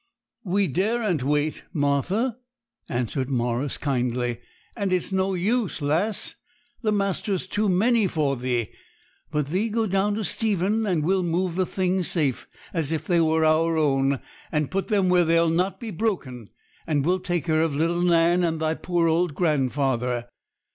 'We daren't wait, Martha,' answered Morris kindly; 'and it's no use, lass; the master's too many for thee. But thee go down to Stephen; and we'll move the things safe, as if they were our own, and put them where they'll not be broken; and we'll take care of little Nan and thy poor old grandfather.